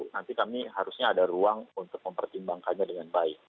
nanti kami harusnya ada ruang untuk mempertimbangkannya dengan baik